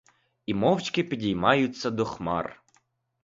І мовчки підіймаються до хмар.